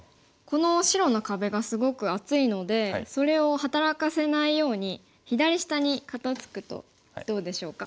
この白の壁がすごく厚いのでそれを働かせないように左下に肩ツクとどうでしょうか。